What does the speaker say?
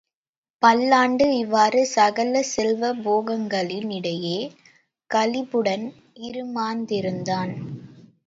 பல்லாண்டு இவ்வாறு சகல செல்வ போகங்களின் இடையே களிப்புடன் இறுமாந்திருந்தான்.